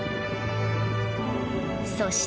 そして。